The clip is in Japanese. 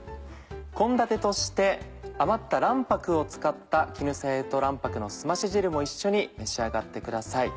献立として余った卵白を使った絹さやと卵白のすまし汁も一緒に召し上がってください。